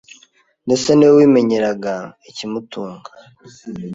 ndetse ni we wimenyeraga ikimutunga.